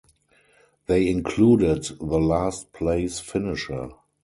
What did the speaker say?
They included the last place finisher.